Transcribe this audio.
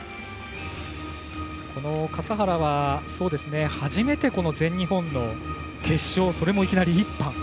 この笠原は、初めてこの全日本の決勝それもいきなり１班。